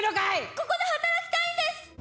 ここで働きたいんです！